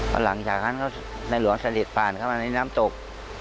แล้วหลังจากนั้นนายหลวงสลิดผ่านเข้ามาในน้ำตก